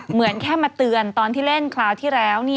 เหมือนแค่มาเตือนตอนที่เล่นคราวที่แล้ว